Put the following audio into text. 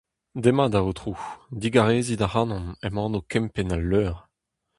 Demat aotrou, digarezit ac'hanon, emaon o kempenn al leur.